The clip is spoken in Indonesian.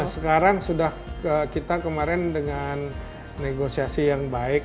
sekarang sudah kita kemarin dengan negosiasi yang baik